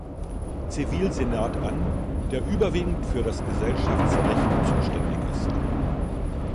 Zivilsenat an, der überwiegend für das Gesellschaftsrecht zuständig ist.